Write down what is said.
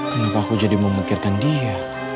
kenapa aku jadi memikirkan dia